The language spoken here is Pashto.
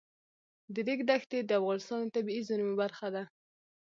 د ریګ دښتې د افغانستان د طبیعي زیرمو برخه ده.